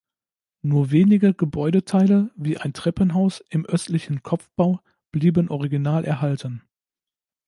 Nur wenige Gebäudeteile wie ein Treppenhaus im östlichen Kopfbau blieben original erhalten.